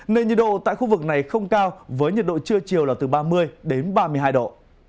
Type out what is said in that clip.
nên nhiệt độ tại khu vực này không cao với nhiệt độ trưa chiều là từ ba mươi đến ba mươi hai độ